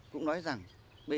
cũng nói rằng b năm mươi hai